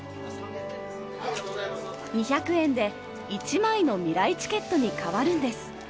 ２００円で１枚のみらいチケットに変わるんです。